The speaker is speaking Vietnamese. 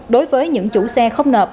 đối với những chủ xe không nộp